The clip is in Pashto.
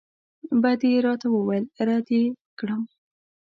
بد یې راته وویل رد یې کړم.